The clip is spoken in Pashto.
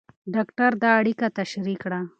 ډاکټر دا اړیکه تشریح کړه.